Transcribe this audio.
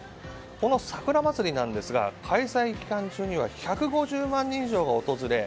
この桜祭りなんですが開催期間中には１５０万人以上が訪れ